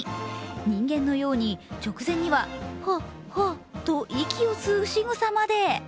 人間のように直前にはふぁっふぁっと息を吸うしぐさまで。